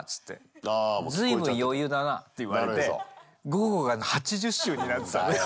午後が８０周になってたのよ。